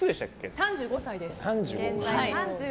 ３５歳です。